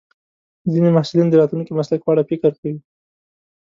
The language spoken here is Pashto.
ځینې محصلین د راتلونکي مسلک په اړه فکر کوي.